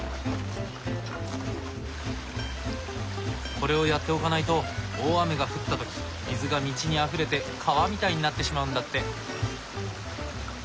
これをやっておかないと大雨が降った時水が道にあふれて川みたいになってしまうんだって。